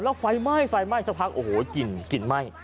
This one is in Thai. แล้วไฟไหม้ไฟไหม้สักพักโอ้โหกลิ่นกลิ่นไหม้